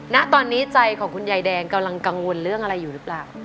ณตอนนี้ใจของคุณยายแดงกำลังกังวลเรื่องอะไรอยู่หรือเปล่า